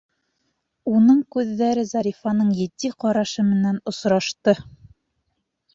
Уның күҙҙәре Зарифаның етди ҡарашы менән осрашты.